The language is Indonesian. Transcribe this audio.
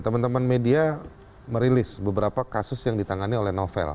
teman teman media merilis beberapa kasus yang ditangani oleh novel